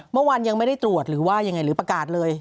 เมื่อวานยังไม่ได้ตรวจหรือว่ายังไงหรือประกาศเลย